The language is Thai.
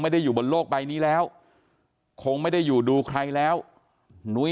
อยู่บนโลกใบนี้แล้วคงไม่ได้อยู่ดูใครแล้วนุ้ย